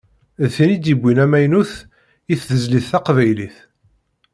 D tin i d-yewwin amaynut i tezlit taqbaylit.